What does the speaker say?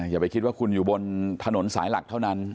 อย่าไปคิดว่าคุณอยู่บนถนนสายหลักเท่านั้น